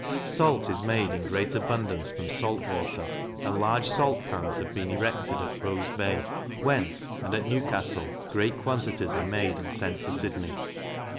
Salt is made in great abundance from salt water; and large salt pans have been erected at Rose Bay, whence, and at Newcastle, great quantities are made and sent to Sydney.